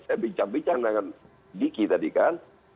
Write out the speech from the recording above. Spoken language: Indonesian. saya bincang bincang dengan diki tadi kan